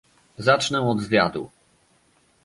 Zacznę od zwiadu